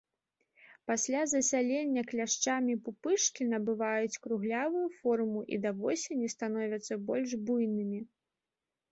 Пасля засялення кляшчамі пупышкі набываюць круглявую форму і да восені становяцца больш буйнымі.